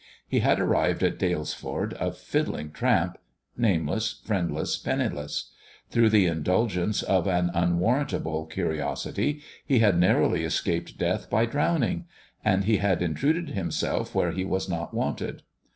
He had arrived at Dalesford a fiddling tramp, nameless, friendless, penniless ; through the indulgence of an unwarrantable curi osity, he had narrowly escaped death by drowning ; and he had intruded himself where he was not wanted.